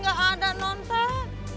gak ada non teh